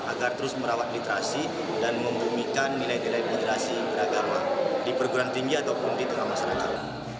agar terus merawat literasi dan membumikan nilai nilai moderasi beragama di perguruan tinggi ataupun di tengah masyarakat